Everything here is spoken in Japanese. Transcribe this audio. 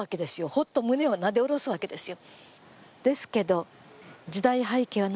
ホッと胸をなでおろすわけですよ。